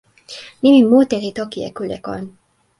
nimi mute li toki e kule kon.